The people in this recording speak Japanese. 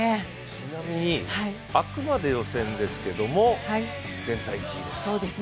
ちなみに、あくまで予選ですけども、全体１位です。